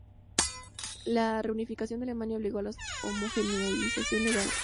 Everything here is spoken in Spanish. La reunificación de Alemania obligó a la homogeneización legal.